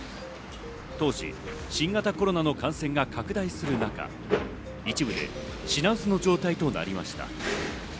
当時、新型コロナの感染が拡大する中、一部で品薄の状態となりました。